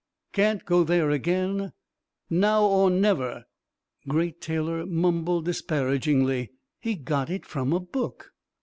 Can't go there again now or never." Great Taylor mumbled disparagingly, "He got it from a book!"